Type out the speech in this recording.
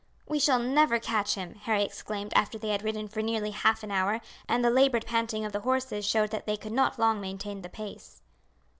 "We shall never catch him," Harry exclaimed after they had ridden for nearly half an hour, and the laboured panting of the horses showed that they could not long maintain the pace.